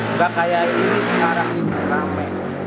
nggak kayak ini sekarang ini rame